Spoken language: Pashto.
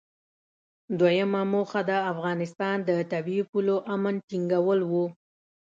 دویمه موخه د افغانستان د طبیعي پولو امن ټینګول و.